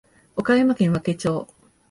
岡山県和気町